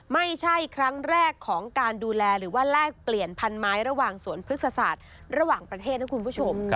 ไม่ใช่ครั้งแรกของการดูแลหรือว่าแลกเปลี่ยนพันไม้ระหว่างสวนพฤกษศาสตร์ระหว่างประเทศนะคุณผู้ชม